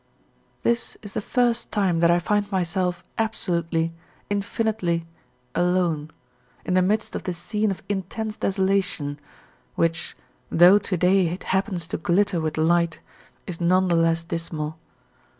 This is the first time that I find myself absolutely, infinitely alone, in the midst of this scene of intense desolation, which, though to day it happens to glitter with light, is none the less dismal.